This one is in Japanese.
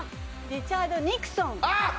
リチャード・ニクソン。